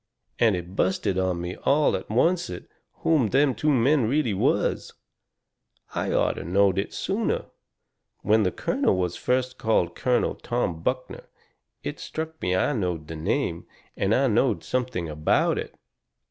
And it busted on me all at oncet who them two men really was. I orter knowed it sooner. When the colonel was first called Colonel Tom Buckner it struck me I knowed the name, and knowed something about it.